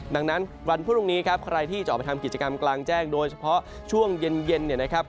ดังนั้นวันพรุ่งนี้ครับใครที่จะออกไปทำกิจกรรมกลางแจ้งโดยเฉพาะช่วงเย็นเนี่ยนะครับ